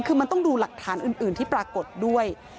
คือมันต้องดูหลักฐานอื่นที่ปรากฏด้วย